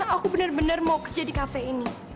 aku bener bener mau kerja di kafe ini